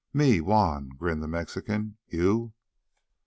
"Me Juan," grinned the Mexican. "You?"